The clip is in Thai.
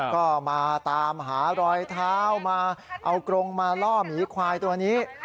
ก็มาตามหารอยเท้ามาเอากรงมาล่อหมีควายตัวนี้